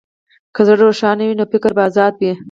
که زړه روښانه وي، نو فکر به ازاد وي.